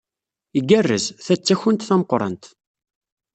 Igerrez, ta d takunt tameqrant.